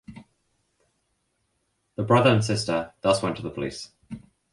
The brother and sister thus went to the police.